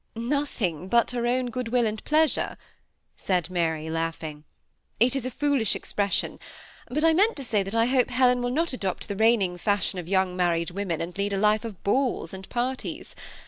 ^Nothing but her own good wiU and pleasure," said Mary, laughing :^ it is a foolish expression ; but I meant to say that I hope Helen will not adopt the reigning fashion of young married women, and lead a life of balls and parties.